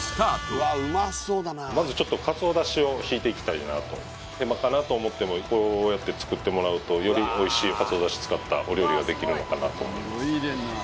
まずちょっとかつおだしを引いていきたいなと手間かなと思ってもこうやって作ってもらうとよりおいしいかつおだし使ったお料理ができるのかなと思います